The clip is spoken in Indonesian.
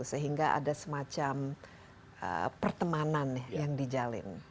sehingga ada semacam pertemanan yang dijalin